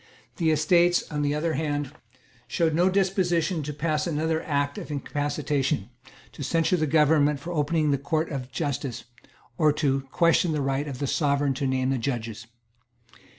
The Estates, on the other hand, showed no disposition to pass another Act of Incapacitation, to censure the government for opening the Courts of justice, or to question the right of the Sovereign to name the judges.